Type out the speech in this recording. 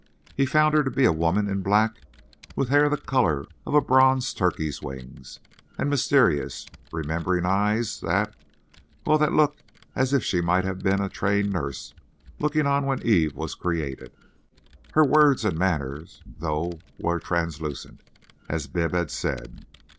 He found her to be a woman in black with hair the colour of a bronze turkey's wings, and mysterious, remembering eyes that—well, that looked as if she might have been a trained nurse looking on when Eve was created. Her words and manner, though, were translucent, as Bibb had said.